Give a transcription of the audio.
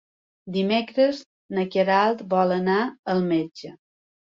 Dimecres na Queralt vol anar al metge.